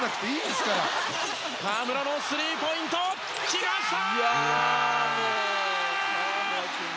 河村のスリーポイント来ました！